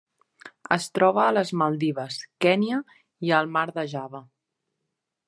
Es troba a les Maldives, Kenya i al Mar de Java.